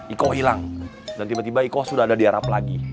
iko hilang dan tiba tiba iko sudah ada di arab lagi